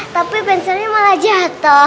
tapi pensilnya malah jatoh